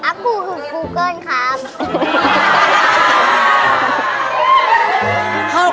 อักกู่คือกูเกิ้ลครับ